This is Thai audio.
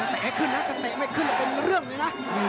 แตะขึ้นนะแตะไม่ขึ้นวันเป็นเรื่องเลยน่ะ